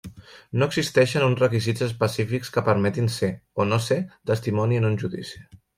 No existeixen uns requisits específics que permetin ser o no ser testimoni en un judici.